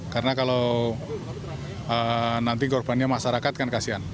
karena kalau nanti korbannya masyarakat kan kasihan